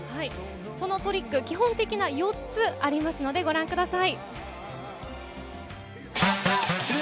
そのトリック、基本的な４つありますので、ご覧ください。